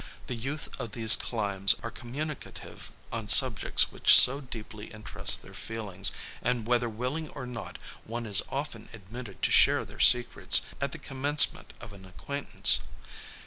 The youth of these climes are communicative on subjects which so deeply interest their feelings; and whether willing or not, one is often admitted to share their secrets at the commencement of an acquaintance.